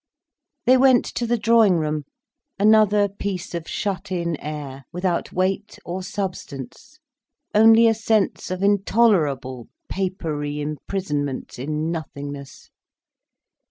They went to the drawing room. Another piece of shut in air; without weight or substance, only a sense of intolerable papery imprisonment in nothingness.